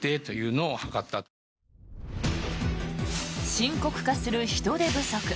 深刻化する人手不足。